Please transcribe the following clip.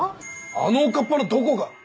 あのおかっぱのどこが！